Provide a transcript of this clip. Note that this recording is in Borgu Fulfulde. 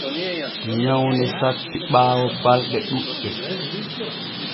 Nyawne satti ɓaawo balɗe ɗuuɗɗe.